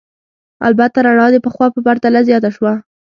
البته رڼا د پخوا په پرتله زیاته شوه.